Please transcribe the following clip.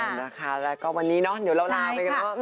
นะคะแล้วก็วันนี้เนาะเดี๋ยวเราลาไปกันว่า